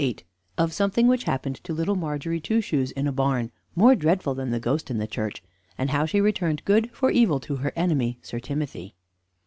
VIII OF SOMETHING WHICH HAPPENED TO LITTLE MARGERY TWO SHOES IN A BARN, MORE DREADFUL THAN THE GHOST IN THE CHURCH; AND HOW SHE RETURNED GOOD FOR EVIL TO HER ENEMY, SIR TIMOTHY.